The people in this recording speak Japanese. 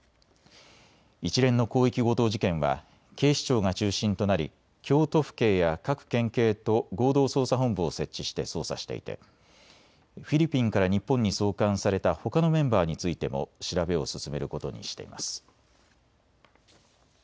一連の広域強盗事件は警視庁が中心となり京都府警や各県警と合同捜査本部を設置して捜査していてフィリピンから日本に送還されたほかのメンバーについても調べを進めることにしています。